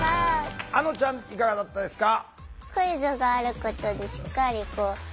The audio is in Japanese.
あのちゃんいかがだったですか？